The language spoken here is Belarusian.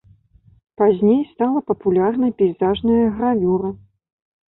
Пазней стала папулярнай пейзажная гравюра.